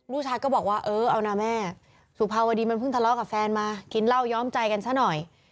ลูกชายก็บอกว่าเออเอานะแม่สุภาวดีมันเพิ่งทะเลาะกับแฟนมากินเหล้าย้อมใจกันซะหน่อย